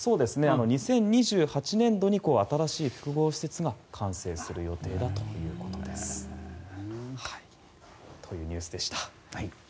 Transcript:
２０２８年度に新しい複合施設が完成する予定だということです。というニュースでした。